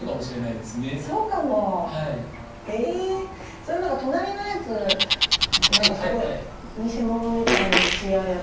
その隣のやつ何かすごい偽物みたいに艶やか。